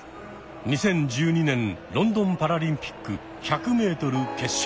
２０１２年ロンドンパラリンピック１００ｍ決勝。